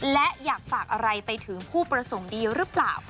และอยากฝากอะไรไปถึงผู้ประสงค์ดีหรือเปล่า